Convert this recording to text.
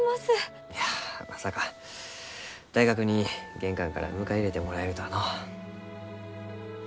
いやまさか大学に玄関から迎え入れてもらえるとはのう。